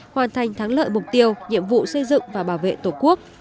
hoàn thành thắng lợi mục tiêu nhiệm vụ xây dựng và bảo vệ tổ quốc